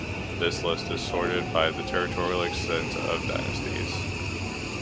This list is sorted by the territorial extent of dynasties.